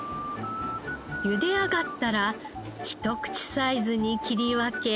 ゆで上がったらひと口サイズに切り分け。